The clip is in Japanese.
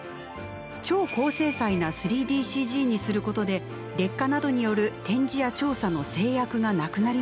超高精細な３ＤＣＧにすることで劣化などによる展示や調査の制約がなくなりました。